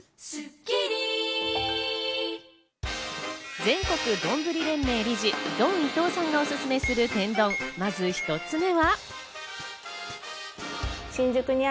全国丼連盟理事・ドン伊藤さんがおすすめする天丼、まず１つ目は。